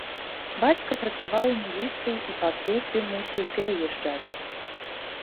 Бацька працаваў у міліцыі і па службе мусіў пераязджаць.